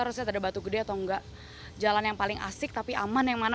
harusnya ada batu gede atau enggak jalan yang paling asik tapi aman yang mana